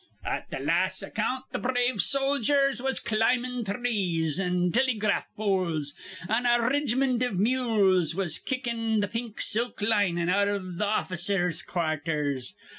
At th' las' account th' brave sojers was climbin' threes an' tillygraft poles, an' a rig'mint iv mules was kickin' th' pink silk linin' out iv th' officers' quarthers.